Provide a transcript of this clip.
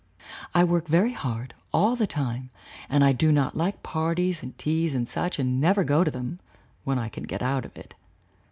I work very hard, all the time, and I do not like parties and teas and such and never go to them, when I can get out of it.